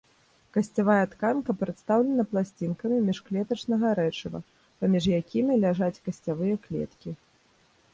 Касцявая тканка прадстаўлена пласцінкамі міжклетачнага рэчыва, паміж якімі ляжаць касцявыя клеткі.